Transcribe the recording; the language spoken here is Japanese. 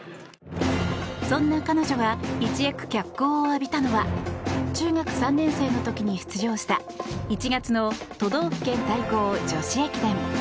そんな彼女が一躍脚光を浴びたのは中学３年生の時に出場した１月の都道府県対抗女子駅伝。